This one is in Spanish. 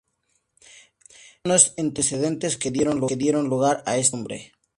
Estos son los antecedentes que dieron lugar a esta costumbre.